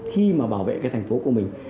khi mà bảo vệ cái thành phố của mình